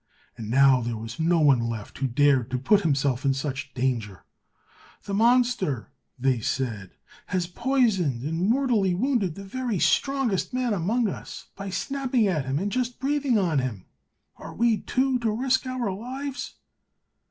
And now there was no one left who dared to put himself in such danger. "The monster," said they, "has poisoned and mortally wounded the very strongest man among us, by snapping at him and just breathing on him! Are we, too, to risk our lives?"